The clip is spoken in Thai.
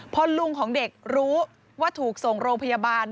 พอลุงของเด็กรู้ว่าถูกส่งโรงพยาบาล